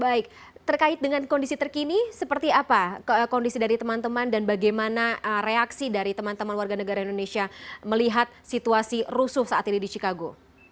baik terkait dengan kondisi terkini seperti apa kondisi dari teman teman dan bagaimana reaksi dari teman teman warga negara indonesia melihat situasi rusuh saat ini di chicago